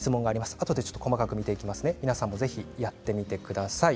あとで細かく見ていきますので皆さんもぜひやってみてください。